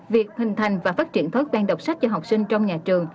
việc hình thành và phát triển thói quen đọc sách cho học sinh trong nhà trường